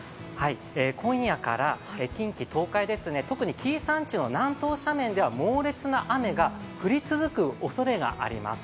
今夜から近畿、東海、特に紀伊山地の南東では猛烈な雨が降り続くおそれがあります。